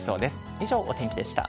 以上、お天気でした。